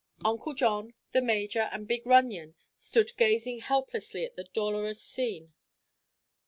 Uncle John, the major and big Runyon stood gazing helplessly at the dolorous scene.